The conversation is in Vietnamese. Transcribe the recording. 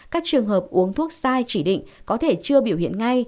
các trường hợp uống thuốc sai chỉ định có thể chưa biểu hiện ngay